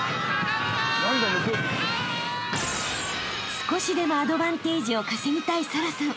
［少しでもアドバンテージを稼ぎたい沙羅さん］